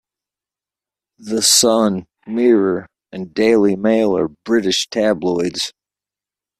The Sun, Mirror and Daily Mail are British tabloids.